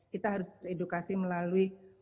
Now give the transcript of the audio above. kita harus edukasi melalui